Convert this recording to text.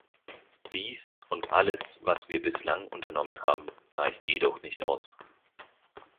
Dies und alles, was wir bislang unternommen haben, reicht jedoch nicht aus.